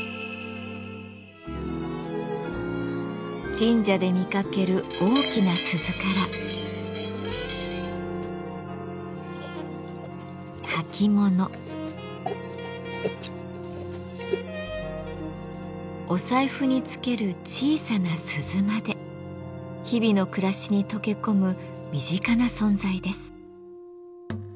神社で見かける大きな鈴から履物お財布につける小さな鈴まで日々の暮らしに溶け込む身近な存在です。